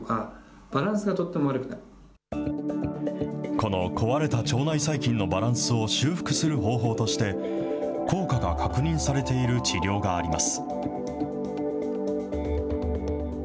この壊れた腸内細菌のバランスを修復する方法として、効果が確認されている治療があります。